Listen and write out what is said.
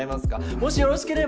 もしよろしければ。